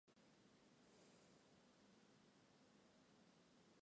它是连接新界各个新市镇的主干道。